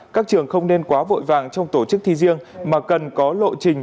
các trường không nên quá vội vàng trong tổ chức thi riêng mà cần có lộ trình